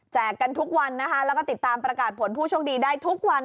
กันทุกวันนะคะแล้วก็ติดตามประกาศผลผู้โชคดีได้ทุกวัน